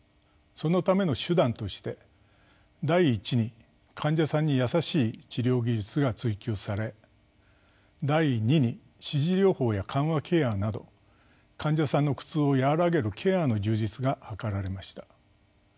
そのための手段として第一に患者さんに優しい治療技術が追求され第二に支持療法や緩和ケアなど患者さんの苦痛を和らげるケアの充実が図られました。